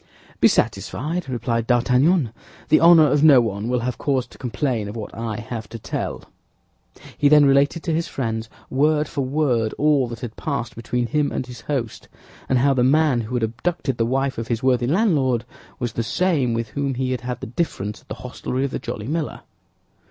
"Be satisfied," replied D'Artagnan; "the honor of no one will have cause to complain of what I have to tell." He then related to his friends, word for word, all that had passed between him and his host, and how the man who had abducted the wife of his worthy landlord was the same with whom he had had the difference at the hostelry of the Jolly Miller.